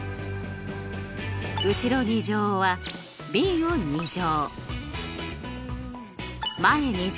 後ろ２乗はｂを２乗。